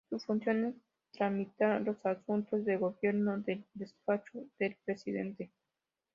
Su función es tramitar los asuntos de Gobierno del Despacho del Presidente.